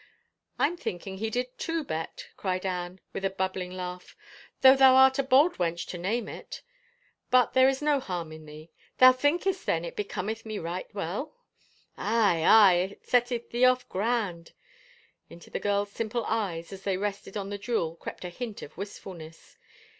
" I'm thinking he did, too. Bet," cried Anne, with a bubbling laugh, " though thou art a bold wench to name it. But there is no harm in thee. Thou thinkest, then, it becometh me right well ?"" Aye, aye, it setteth thee off grand." Into the girl's simple eyes as they rested on the jewel crept a hint of wistf ulness.